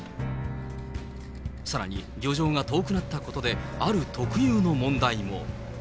さらに漁場が遠くなったことで、ある特有の問題も。